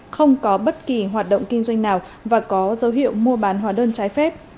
không có bất kỳ hoạt động kinh doanh nào và có dấu hiệu mua bán hóa đơn trái phép